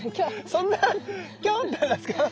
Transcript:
そんなキョンみたいなんすか。